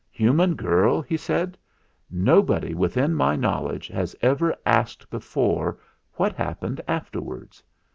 "Human girl," he said, "nobody within my knowledge has ever asked before what hap pened afterwards.